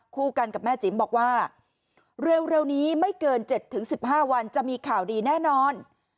คู่กันกับแม่จิ๋มบอกว่าเร็วนี้ไม่เกิน๗๑๕วันจะมีข่าวดีแน่นอน